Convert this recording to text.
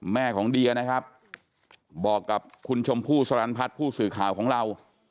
แม่ของเดียนะครับบอกกับคุณชมพู่สรรพัฒน์ผู้สื่อข่าวของเรา